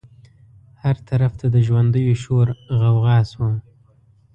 هر طرف ته د ژوندیو شور غوغا شوه.